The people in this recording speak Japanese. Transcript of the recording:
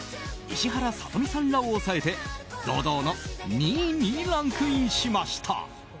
石原さとみさんらを抑えて堂々の２位にランクインしました。